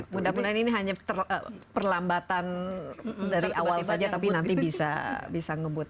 mudah mudahan ini hanya perlambatan dari awal saja tapi nanti bisa ngebut